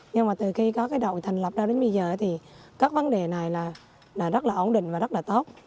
nhưng mà từ khi có cái đội thành lập ra đến bây giờ thì các vấn đề này là rất là ổn định và rất là tốt